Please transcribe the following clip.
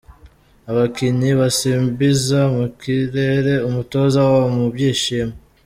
Abakinnyi basimbiza mu kirere umutoza wabo mu byishimo.